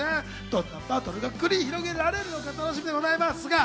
どんなバトルが繰り広げられるのか楽しみです。